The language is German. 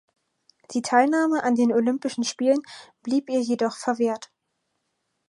Die Teilnahme an den Olympischen Spielen blieb ihr jedoch verwehrt.